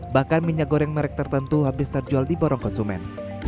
bahkan minyak goreng merek tertentu habis terjual di borong konsumen